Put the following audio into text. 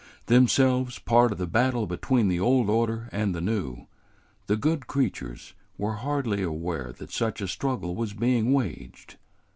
Themselves part of the battle between the old order and the new, the good creatures were hardly aware that such a struggle was being waged.